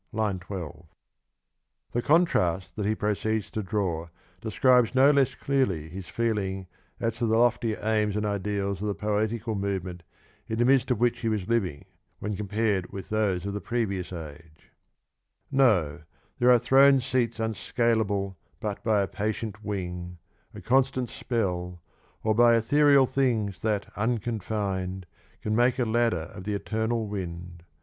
(III. 12) The contrast that he proceeds to draw describes no less clearly his feeling as to the loftier aims and ideals of the poetical movement in the midst of which he was living when compared with those of the previous age : No, there are throned seats unscalable But by a patient wing, a constant spell. Or by ethereal things that, unconfin'd, Can make a ladder of the eternal wind.